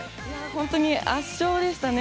本当に圧勝でしたね。